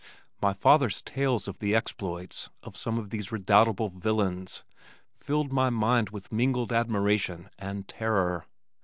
My father's tales of the exploits of some of these redoubtable villains filled my mind with mingled admiration and terror.